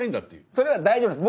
それは大丈夫です